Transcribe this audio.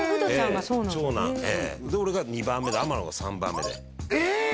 長男で俺が２番目で天野が３番目でえ！